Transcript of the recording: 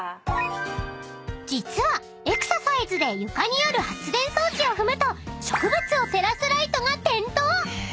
［実はエクササイズで床にある発電装置を踏むと植物を照らすライトが点灯］